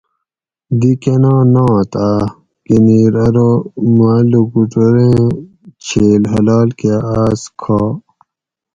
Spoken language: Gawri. دی کنا نات آ؟ گنیر ارو ماۤ لُکوٹور اِیں چھیل حلال کاۤ آۤس کھا